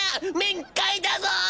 面会だぞ！